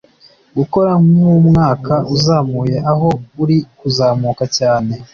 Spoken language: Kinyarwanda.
gukora nkumwaka uzamuye aho uri kuzamuka cyane